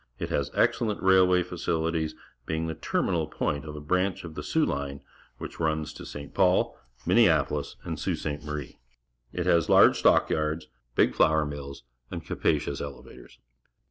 It has excellent railway facilities, being the terminal point of a branch of the Soo line wHicB^unsfTo St. Paul, MinneapoliSj and Sault Ste. ^arie. It has large stock yards, big flour mills, and capacious elevators.